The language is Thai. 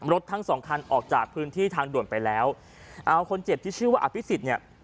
รถทั้งสองคันออกจากพื้นที่ทางด่วนไปแล้วเอาคนเจ็บที่ชื่อว่าอภิษฎเนี่ย